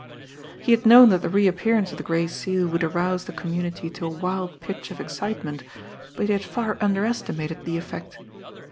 He had known that the reappearance of the Gray Seal would arouse the community to a wild pitch of excitement, but he had far underestimated the effect.